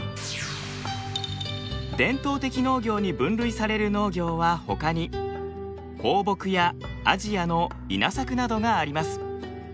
伝統的農業に分類される農業はほかに放牧やアジアの稲作などがあります。